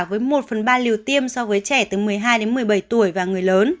với một phần ba liều tiêm so với trẻ từ một mươi hai đến một mươi bảy tuổi và người lớn